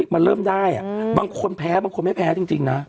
มันเริ่มได้บางคนแพ้บางคนไม่แพ้จริงนะ